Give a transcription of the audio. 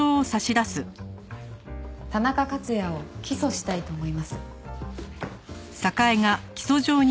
田中克也を起訴したいと思います。